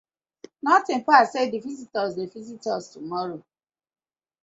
Notin pass say dek visitors dey visit us tomorrow,